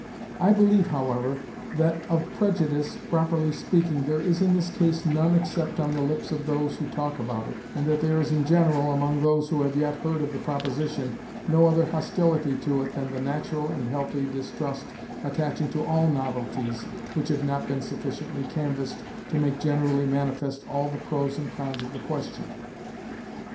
I believe, however, that of prejudice, properly speaking, there is in this case none except on the lips of those who talk about it, and that there is in general, among those who have yet heard of the proposition, no other hostility to it than the natural and healthy distrust attaching to all novelties which have not been sufficiently canvassed to make generally manifest all the pros and cons of the question.